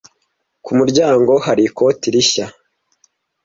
Ku muryango hari ikote rishya.